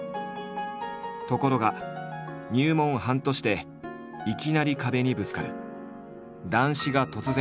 ところが入門半年でいきなり壁にぶつかる。